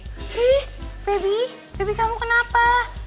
eh bebi bebi kamu kenapa